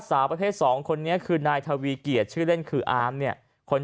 สาวประเภท๒คนนี้คือนายทวีเกียจชื่อเล่นคืออาร์มเนี่ยคน